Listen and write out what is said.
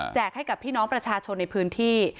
ให้กับพี่น้องประชาชนในพื้นที่